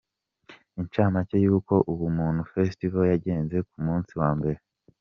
Incamake y’uko Ubumuntu Festival yagenze ku munsi wa mbere.